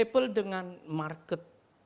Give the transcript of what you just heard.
apple dengan market